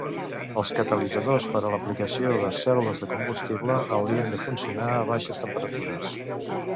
Els catalitzadors per a l'aplicació de cèl·lules de combustible haurien de funcionar a baixes temperatures.